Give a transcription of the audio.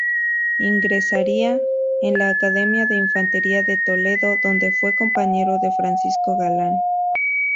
Ingresaría en la Academia de Infantería de Toledo, donde fue compañero de Francisco Galán.